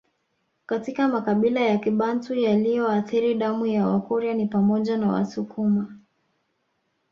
Katika makabila ya Kibantu yaliyoathiri damu ya Wakurya ni pamoja na Wasukuma